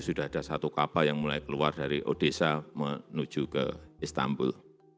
sudah ada satu kapal yang mulai keluar dari odessa menuju ke istanbul